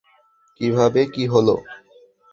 কিভাবে কী হল?